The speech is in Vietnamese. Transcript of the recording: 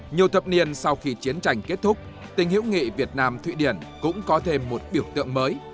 nhiều thập niên sau khi chiến tranh kết thúc tình hữu nghị việt nam thụy điển cũng có thêm một biểu tượng mới